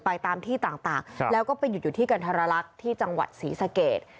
ตามที่ต่างแล้วก็ไปหยุดอยู่ที่กันทรลักษณ์ที่จังหวัดศรีสเกต